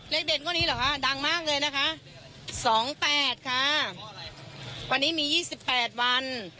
เลขเด็ดกว่านี้หรอคะดังมากเลยนะคะสองแปดค่ะวันนี้มียี่สิบแปดวัน